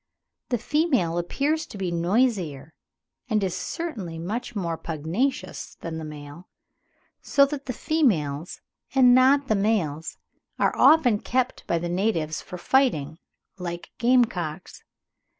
The female appears to be noisier, and is certainly much more pugnacious than the male; so that the females and not the males are often kept by the natives for fighting, like game cocks.